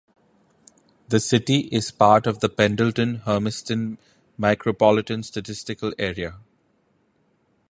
The city is part of the Pendleton-Hermiston Micropolitan Statistical Area.